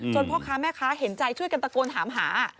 พ่อค้าแม่ค้าเห็นใจช่วยกันตะโกนถามหา